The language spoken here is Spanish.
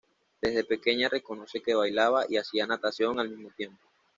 Desde pequeña reconoce que bailaba y hacía natación al mismo tiempo.